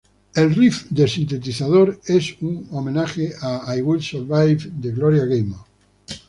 El riff de sintetizador es un homenaje a I Will Survive de Gloria Gaynor.